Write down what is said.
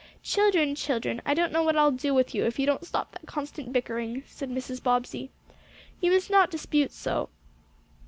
"Children children I don't know what I'll do with you if you don't stop that constant bickering," said Mrs. Bobbsey. "You must not dispute so."